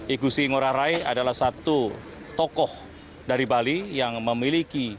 igusti ngurah rai adalah satu tokoh dari bali yang memiliki